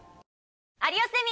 『有吉ゼミ』。